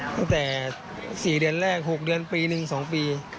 ตั้งแต่๔เดือนแรก๖เดือนปีหนึ่ง๒ปี